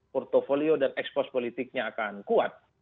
portfolio dan ekspos politiknya akan kuat